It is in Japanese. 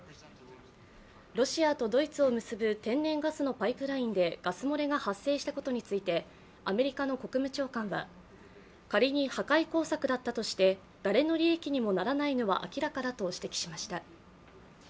ロシアとドイツを結ぶ天然ガスのパイプラインでガス漏れが発生したことについてアメリカの国務長官は仮に破壊工作だったとして、誰の利益にもならないのは明らかだと指摘しました。